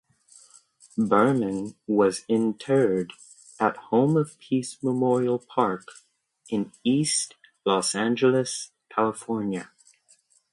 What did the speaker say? Berman was interred at Home of Peace Memorial Park in East Los Angeles, California.